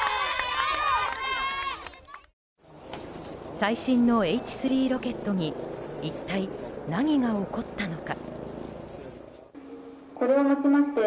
最新のＨ３ロケットに一体、何が起こったのか。